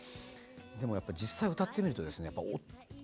でもやっぱ実際歌ってみるとですね